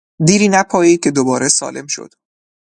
دیری نپایید که دوباره سالم شد.